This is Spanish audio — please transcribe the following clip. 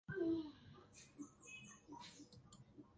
Vilma trabaja como ama de casa.